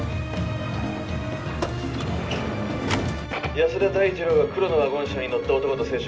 安田大二郎が黒のワゴン車に乗った男と接触。